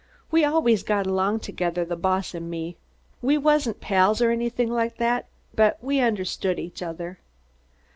We always got along together, the boss and me. Wasn't pals or anything like that, but we understood each other.